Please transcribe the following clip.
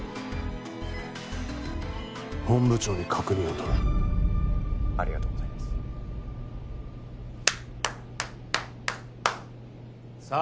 本部長に確認を取るありがとうございますさあ